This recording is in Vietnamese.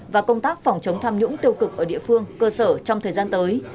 và công tác phòng chống tham nhũng tiêu cực ở địa phương cơ sở trong thời gian tới